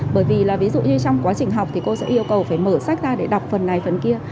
bởi vì là ví dụ như trong quá trình học thì cô sẽ yêu cầu phải mở sách ra để đọc phần này phần kia